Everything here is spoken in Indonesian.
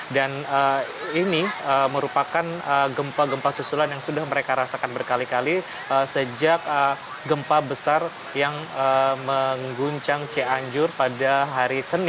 dan ini merupakan gempa gempa susulan yang sudah mereka rasakan berkali kali sejak gempa besar yang mengguncang cianjur pada hari senin lalu